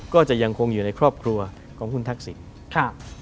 ก็จะยังคงอยู่ในครอบครัวของคุณทักษิณ